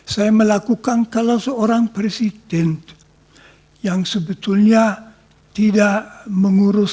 saya melakukan kalau seorang presiden yang sebetulnya tidak mengurus